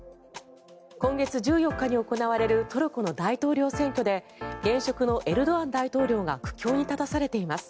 今月１４日に行われるトルコの大統領選挙で現職のエルドアン大統領が苦境に立たされています。